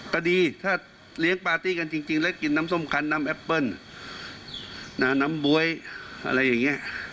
ก็ดีถ้าเลี้ยงปาร์ตี้กันจริงแล้วกินน้ำส้มคันน้ำแอปเปิ้ลน้ำบ๊วยอะไรอย่างนี้